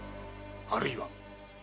あるいは。